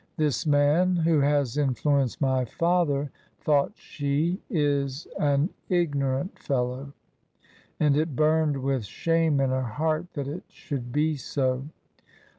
"This man who has influenced my father," thought she, " is an ignorant fellow." And it burned with shame in her heart that it should be so.